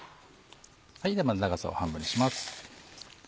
長さを半分にします。